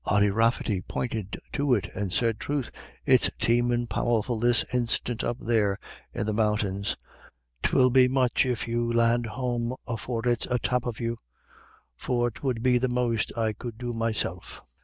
Ody Rafferty pointed to it and said, "Troth, it's teemin' powerful this instiant up there in the mountains. 'Twill be much if you land home afore it's atop of you; for 'twould be the most I could do myself."